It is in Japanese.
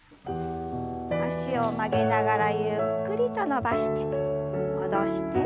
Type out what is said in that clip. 脚を曲げながらゆっくりと伸ばして戻して。